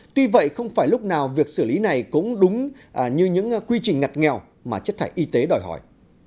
tuy vậy không phải lúc nào việc xử lý này cũng đúng như những quy trình ngặt nghèo mà chất thải y tế đòi hỏi